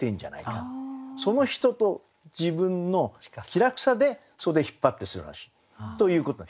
その人と自分の気楽さで「袖引つ張つてする話」ということ。